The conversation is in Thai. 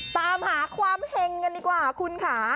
ตามหาความเห็งกันดีกว่าคุณค่ะ